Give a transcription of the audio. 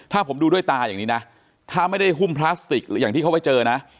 ถ้าผมดูด้วยตาอย่างนี้นะถ้าไม่ได้หุ้มพลาสติกอย่างที่เขาไปเจอนะ